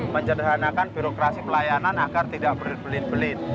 menyederhanakan birokrasi pelayanan agar tidak berbelit belit